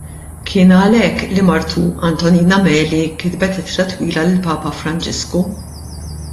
Kien għalhekk li Martu Antonina Meli kitbet ittra twila lill-Papa Franġisku.